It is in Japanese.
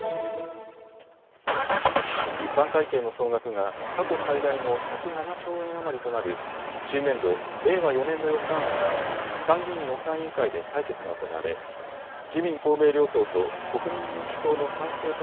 一般会計の総額が過去最大の１０７兆円余りとなる新年度・令和４年度予算案は参議院予算委員会で採決が行われ自民公明両党と国民民主党の賛成